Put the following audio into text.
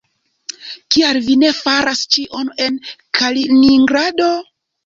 Kial vi ne faras ĉion en Kaliningrado?